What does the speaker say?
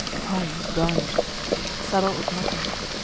Tongue, garnished. Saddle of Mutton.